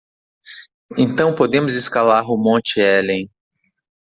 Então podemos escalar o Monte Helen